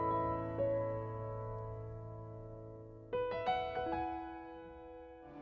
คือเราต้องสู้แฮวด้วย